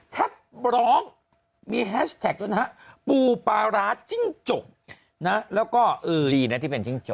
ทักร้องมีแฮชแท็กด้วยนะฮะปูปลาร้าจิ้งจกนะแล้วก็เออดีนะที่เป็นจิ้งจก